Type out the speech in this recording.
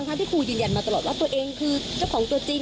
ที่ครูยืนยันมาตลอดว่าตัวเองคือเจ้าของตัวจริง